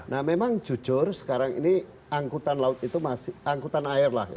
nah memang jujur sekarang ini angkutan air lah